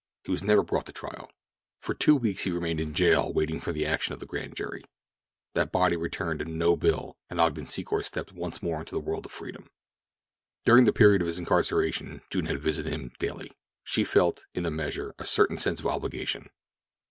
He was never brought to trial. For two weeks he remained in jail waiting the action of the grand jury. That body returned a no bill, and Ogden Secor stepped once more into the world of freedom. During the period of his incarceration June had visited him daily. She felt, in a measure, a certain sense of obligation.